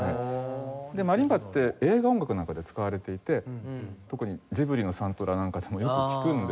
マリンバって映画音楽なんかで使われていて特にジブリのサントラなんかでもよく聴くんですけれども。